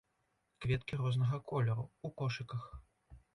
Кветкі рознага колеру, у кошыках.